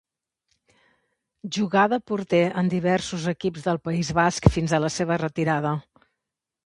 Jugà de porter en diversos equips del País Basc fins a la seva retirada.